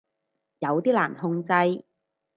有啲難控制